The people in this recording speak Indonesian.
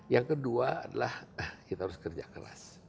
yang kedua adalah kita harus kerja keras